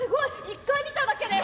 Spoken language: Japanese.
一回見ただけで。